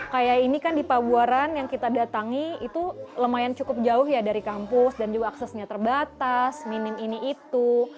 kayak ini kan di pabuaran yang kita datangi itu lumayan cukup jauh ya dari kampus dan juga aksesnya terbatas minim ini itu